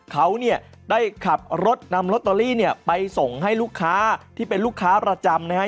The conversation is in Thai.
เขาเนี่ยได้ขับรถนำลอตเตอรี่เนี่ยไปส่งให้ลูกค้าที่เป็นลูกค้าประจำนะฮะ